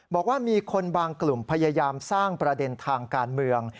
บอกว่ามีคนบางกลุ่มพยายามสร้างประเด็นทางการเมือง